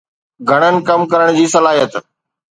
گھڻن ڪم ڪرڻ جي صلاحيت